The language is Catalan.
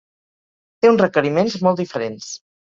Té uns requeriments molt diferents.